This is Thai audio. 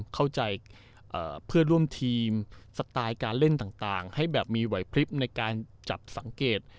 เข้าใจเพื่อร่วมทีมสไตล์การเล่นต่างให้แบบมีไหวพลิบในการจับสังเกต